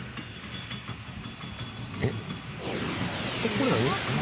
これ何？